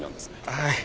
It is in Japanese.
はい。